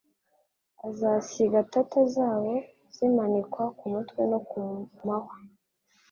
Azasiga tatter zabo zimanikwa kumutwe no kumahwa.)